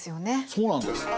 そうなんです。